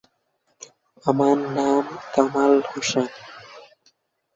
এই উপন্যাসে যেসব দার্শনিকদের নাম উল্লেখ করা হয়েছে এখানে তাদেরই তালিকা করা হয়েছে।